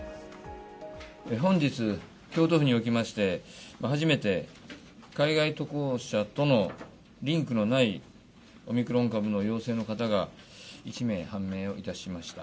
本日京都府におきまして、初めて海外渡航者とのリンクのないオミクロン株の陽性の方が１名判明をいたしました。